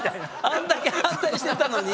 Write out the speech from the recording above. あんだけ反対してたのに。